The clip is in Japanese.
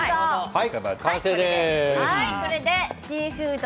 完成です。